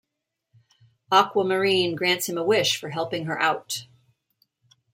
Aquamarine grants him a wish for helping her out.